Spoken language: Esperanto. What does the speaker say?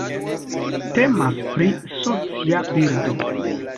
Temas pri socia birdo.